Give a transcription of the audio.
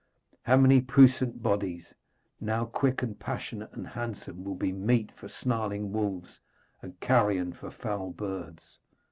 How many puissant bodies, now quick and passionate and handsome, will be meat for snarling wolves and carrion for foul birds!'